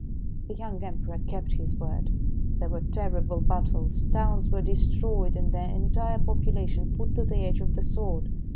The. young Emperor kept his word. There were terrible battles. Towns were destroyed and their entire population put to the edge of the sword.